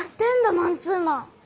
マンツーマン。